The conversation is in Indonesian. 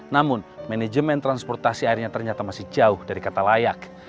namun manajemen transportasi airnya ternyata masih jauh dari kata layak